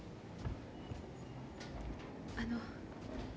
あの。